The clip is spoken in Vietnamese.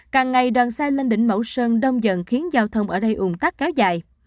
càng ngày đoàn xe lên đỉnh mẫu sơn đông dần khiến giao thông ở đây ủng tắc kéo dài